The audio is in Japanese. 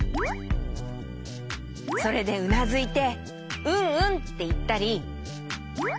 それでうなずいて「うんうん」っていったり。